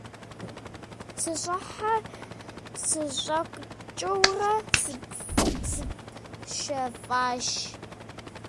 Сыщӏыхьэ-сыщӏэкӏыурэ сыпщэфӏащ.